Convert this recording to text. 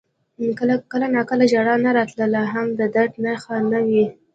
• کله ناکله ژړا نه راتلل هم د درد نښه وي.